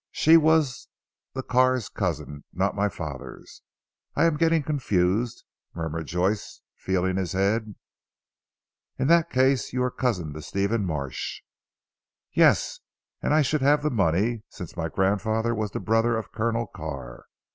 She was the Carr's cousin, not my father's. I am getting confused," murmured Joyce feeling his head. "In that case you are cousin to Stephen Marsh?" "Yes. And I should have the money, since my grandfather was the brother of Colonel Carr.